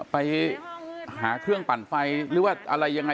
ไปหาเครื่องปั่นไฟหรือว่าอะไรยังไง